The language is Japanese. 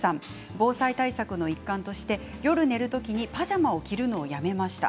防災対策の一環として夜寝る時にパジャマを着るのをやめました。